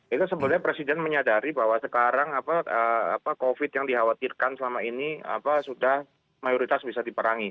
itu sebenarnya presiden menyadari bahwa sekarang covid yang dikhawatirkan selama ini sudah mayoritas bisa diperangi